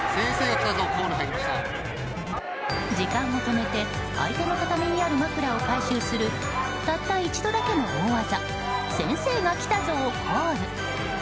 時間を止めて相手の畳にある枕を回収するたった一度だけの大技先生が来たぞをコール。